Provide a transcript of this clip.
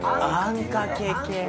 あんかけ系。